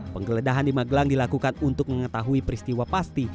penggeledahan di magelang dilakukan untuk mengetahui peristiwa pasti